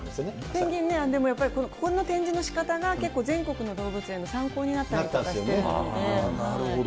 ペンギンね、やっぱりここの展示のしかたが結構全国の動物園の参考になったりなるほど。